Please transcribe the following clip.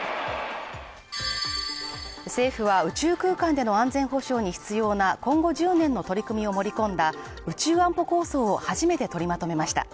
政府は宇宙空間での安全保障に必要な今後１０年の取り組みを盛り込んだ宇宙安保構想を初めて取りまとめました。